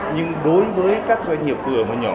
nhưng đối với các doanh nghiệp vừa và nhỏ